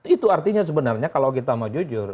itu artinya sebenarnya kalau kita mau jujur